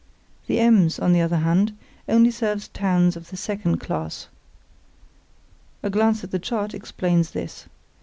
The Ems, on the other hand, only serves towns of the second class. A glance at the chart explains this.